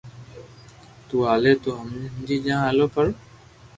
تو ھالي تو ھمبري جا ھالو ڀيرا